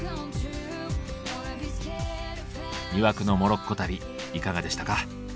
魅惑のモロッコ旅いかがでしたか。